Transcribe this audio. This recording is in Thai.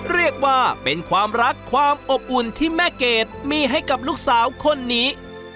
เรียกว่าเป็นความรักความอบอุ่นที่แม่เกดมีให้กับลูกสาวคนนี้